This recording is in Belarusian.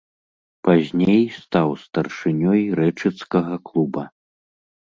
Пазней стаў старшынёй рэчыцкага клуба.